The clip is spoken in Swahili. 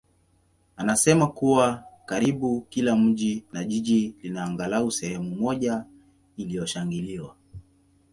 anasema kuwa karibu kila mji na jiji lina angalau sehemu moja iliyoshangiliwa.